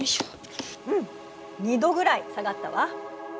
うん２℃ぐらい下がったわ。